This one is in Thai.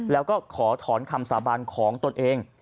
แล้วก็ขอถอนคำสาบานของตนเอง